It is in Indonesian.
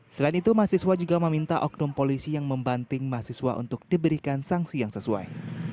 selain itu mahasiswa juga meminta oknum polisi yang membanting mahasiswa untuk diberikan sanksi yang sesuai